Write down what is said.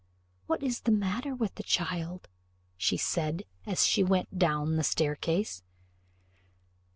"What is the matter with the child?" said she, as she went down the staircase.